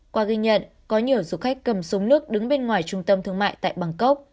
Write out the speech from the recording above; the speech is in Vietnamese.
qua ghi nhận có nhiều du khách cầm súng nước đứng bên ngoài trung tâm thương mại tại bangkok